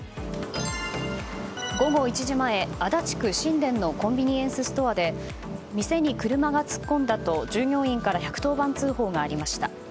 午後１時前、足立区新田のコンビニエンスストアで店に車が突っ込んだと従業員から１１０番通報がありました。